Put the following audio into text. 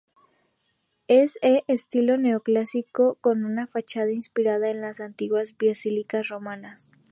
Es e estilo neoclásico con una fachada inspirada en las antiguas basílicas romanas.